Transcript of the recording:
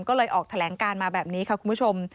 ก็เลยออกแถลงการมาแบบนี้ค่ะคุณผู้ชม